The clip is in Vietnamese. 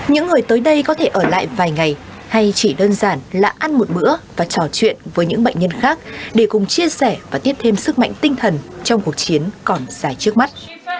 những người tới đây có thể ở lại vài ngày hay chỉ đơn giản là ăn một bữa và trò chuyện với những bệnh nhân khác để cùng chia sẻ và tiếp thêm sức mạnh tinh thần trong cuộc chiến còn dài trước mắt